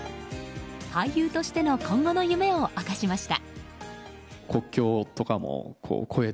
俳優としての今後の夢を明かしました。